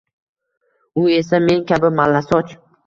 U esa men kabi mallasoch